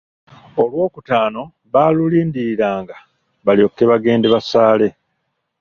Olwokutaano baalulindiriranga balyoke bagende basaale.